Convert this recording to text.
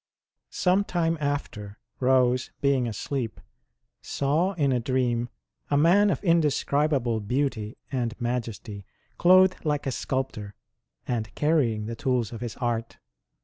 Some time after, Rose, being asleep, saw in a dream a man of indescribable beauty and majesty, clothed like a sculptor, and carrying the tools of his art.